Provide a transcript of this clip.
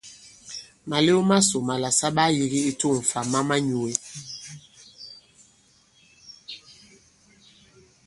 Màlew masò màlà sa ɓaa yīgi i tu᷇ŋ fâ ma manyūe.